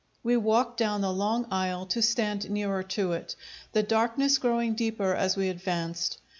We walked down the long aisle to stand nearer to it, the darkness growing deeper as we advanced.